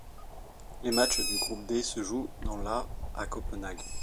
Les matchs du groupe D se jouent dans la à Copenhague.